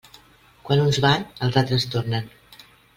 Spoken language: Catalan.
Quan uns van, altres tornen.